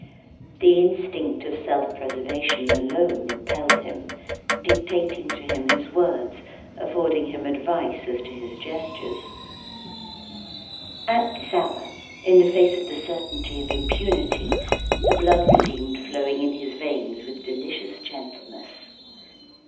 The instinct of self preservation alone impelled him, dictating to him his words, affording him advice as to his gestures. At this hour, in the face of the certainty of impunity, the blood resumed flowing in his veins with delicious gentleness.